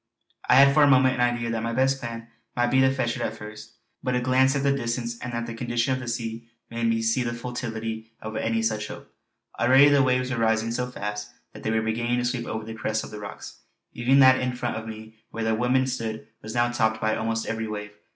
I had for a moment an idea that my best plan might be to fetch it first, but a glance at the distance and at the condition of the sea made me see the futility of any such hope. Already the waves were rising so fast that they were beginning to sweep over the crest of the rocks. Even that in front of me where the women stood was now topped by almost every wave.